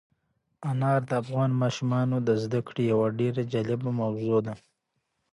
انار د افغان ماشومانو د زده کړې یوه ډېره جالبه موضوع ده.